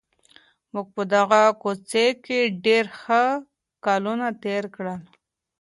موږ په دغه کوڅې کي ډېر ښه کلونه تېر کړل.